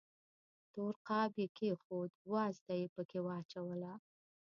تور قاب یې کېښود، وازده یې پکې واچوله.